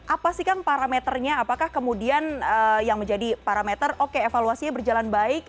apa sih kang parameternya apakah kemudian yang menjadi parameter oke evaluasinya berjalan baik